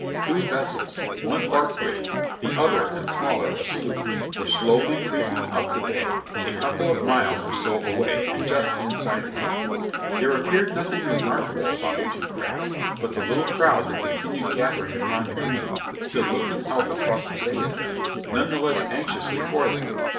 Two vessels, one bark rigged, the other and smaller a sloop, were slowly creeping up the bay, a couple of miles or so away and just inside the cape. There appeared nothing remarkable about the two crafts, but the little crowd that continued gathering upon the green stood looking out across the bay at them none the less anxiously for that.